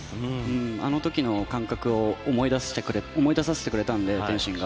あの時の感覚を思い出させてくれたので、天心が。